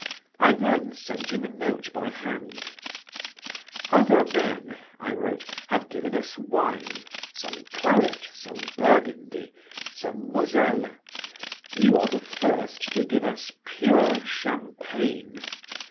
I then sent him a note by hand: "Other men," I wrote, "have given us wine; some claret, some burgundy, some Moselle; you are the first to give us pure champagne.